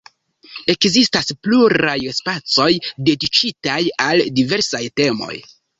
Ekzistas pluraj spacoj, dediĉitaj al diversaj temoj.